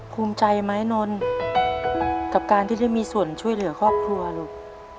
ภูมิใจไหมนนกับการที่ได้มีส่วนช่วยเหลือครอบครัวลูก